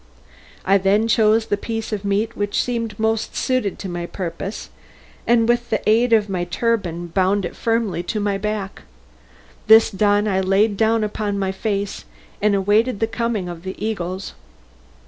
I then chose the piece of meat which seemed most suited to my purpose, and with the aid of my turban bound it firmly to my back; this done I laid down upon my face and awaited the coming of the eagles.